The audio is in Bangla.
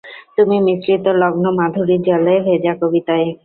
তুমি মিশ্রিত লগ্ন মাধুরীর জলে ভেজা কবিতায়।